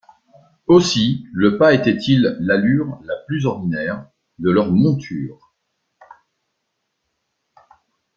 Aussi le pas était-il l’allure la plus ordinaire de leurs montures.